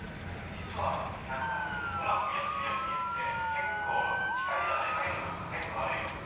実はなんかうまくやってるように見えて結構光じゃない影の部分も結構あるよみたいな。